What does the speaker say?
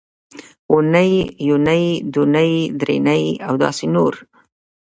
اونۍ یونۍ دونۍ درېنۍ او داسې نور